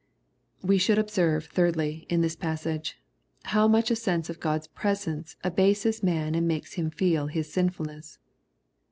We shoald observe, thirdly, in this passage, how much a sense of GocCs presence abases man and makes him feel his sinfulness.